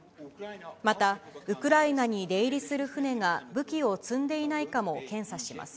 また、ウクライナに出入りする船が武器を積んでいないかも検査します。